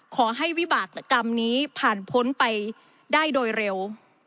ขอให้วิบากรรมนี้ผ่านพ้นไปได้โดยเร็ว